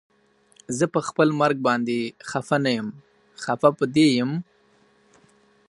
زه پخپل مرګ باندې خفه نه یم خفه په دې یم